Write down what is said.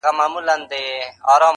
زه به دا ټول كندهار تاته پرېږدم~